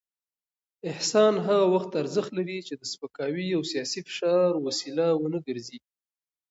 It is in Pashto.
احسان هغه وخت ارزښت لري چې د سپکاوي او سياسي فشار وسیله ونه ګرځي.